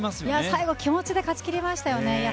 最後は気持ちで勝ち切りましたね。